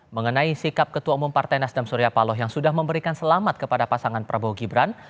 mengenai sikap ketua umum partai nasdem surya paloh yang sudah memberikan selamat kepada pasangan prabowo gibran